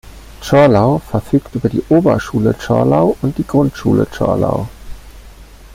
Zschorlau verfügt über die Oberschule Zschorlau und die Grundschule Zschorlau.